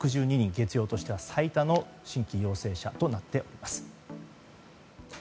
月曜としては最多の新規陽性者となっております。